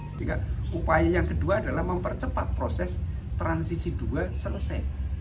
jadi upaya yang kedua adalah mempercepat proses transisi dua selesai